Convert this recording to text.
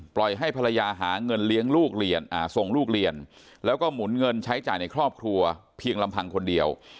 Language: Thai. ให้ภรรยาหาเงินเลี้ยงลูกเรียนส่งลูกเรียนแล้วก็หมุนเงินใช้จ่ายในครอบครัวเพียงลำพังคนเดียว